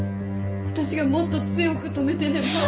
私がもっと強く止めていれば。